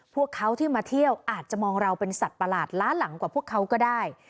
พวกเขาที่มาเที่ยวอาจจะมองเราเป็นสัตว์ประหลาดล้าหลังกว่าพวกเขาก็ได้